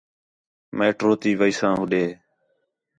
میٹرو تی ویساں ہو ݙے